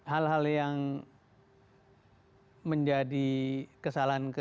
hal hal yang menjadi kesalahan